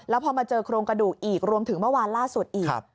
แล้วพอมาเจอโครงกระดูกอีกรวมถึงเมื่อวานล่าสุดอีก